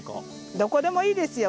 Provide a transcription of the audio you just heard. どこでもいいですよ